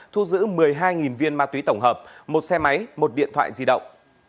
thu giữ một mươi hai viên ma túy tổng hợp một xe máy một điện thoại di động